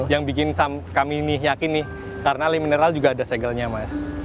yang bikin kami ini yakin nih karena le mineral juga ada segelnya mas